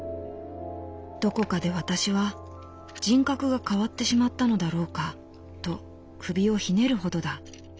どこかで私は人格が変わってしまったのだろうかと首をひねるほどだ」。